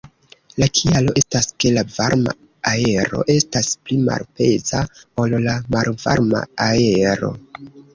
La kialo estas ke la varma aero estas pli malpeza ol la malvarma aero.